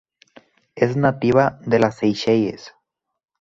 Es nativa de las Seychelles.